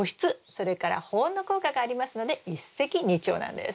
それから保温の効果がありますので一石二鳥なんです。